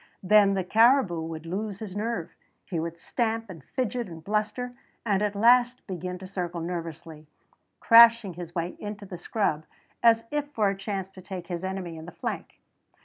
Then the caribou would lose his nerve; he would stamp and fidget and bluster, and at last begin to circle nervously, crashing his way into the scrub as if for a chance to take his enemy in the flank.